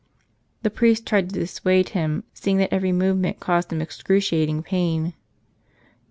The priest tried to dissuade him, seeing that every movement caused him excruciating pain.